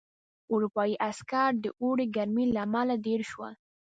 اروپايي عسکر د اوړي ګرمۍ له امله دېره شول.